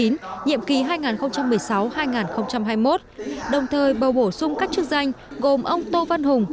nhiệm kỳ hai nghìn một mươi sáu hai nghìn hai mươi một đồng thời bầu bổ sung các chức danh gồm ông tô văn hùng